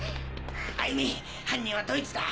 歩美犯人はどいつだ？